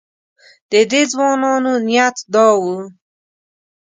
د دې ځوانانو نیت دا و.